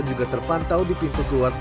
juga terpantau di pintu keluar